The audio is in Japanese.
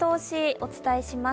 お伝えします。